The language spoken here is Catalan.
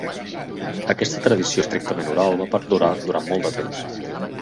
Aquesta tradició estrictament oral va perdurar durant molt de temps.